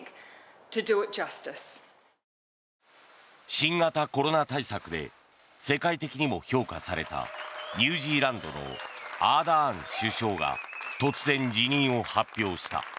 新型コロナ対策で世界的にも評価されたニュージーランドのアーダーン首相が突然、辞任を発表した。